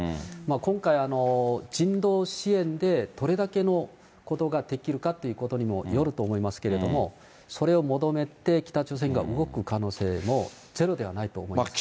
今回、人道支援でどれだけのことができるかということにもよると思いますけれども、それを求めて北朝鮮が動く可能性もゼロではないと思いますけどね。